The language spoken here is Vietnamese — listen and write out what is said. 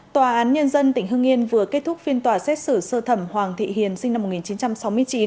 tòa án nhân dân tỉnh hưng yên vừa kết thúc phiên tòa xét xử sơ thẩm hoàng thị hiền sinh năm một nghìn chín trăm sáu mươi chín